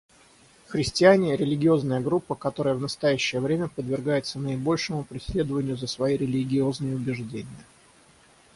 Христиане — религиозная группа, которая в настоящее время подвергается наибольшему преследованию за свои религиозные убеждения.